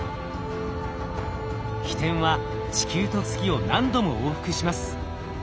ひてんは地球と月を何度も往復します。